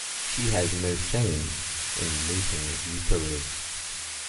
She has no shame in meeting Yukari.